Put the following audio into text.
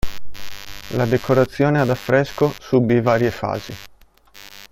La decorazione ad affresco subì varie fasi.